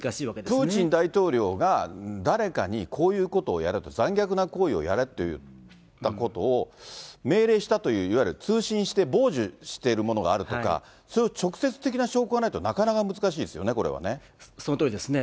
プーチン大統領が、誰かにこういうことをやれと、残虐な行為をやれって言ったことを、命令したという、いわゆる通信して傍受しているものがあるとか、そういう直接的な証拠がないと、なかなか難しいですよね、これはね。そのとおりですね。